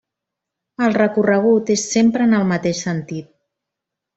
El recorregut és sempre en el mateix sentit.